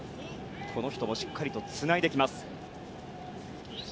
この人もしっかりつないできます。